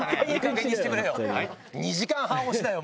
２時間半押しだよ